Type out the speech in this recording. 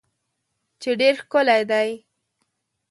چې ډیر ښکلی دی